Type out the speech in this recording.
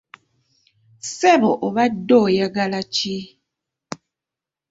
Ssebo obadde oyagala ki?